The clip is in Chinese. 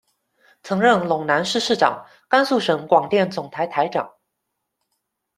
曾任陇南市市长，甘肃省广电总台台长。